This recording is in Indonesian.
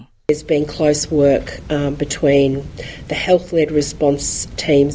ada kerja yang rapat antara tim respons tim berkaitan dengan kesehatan umum